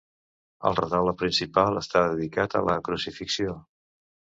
El retaule principal està dedicat a la Crucifixió.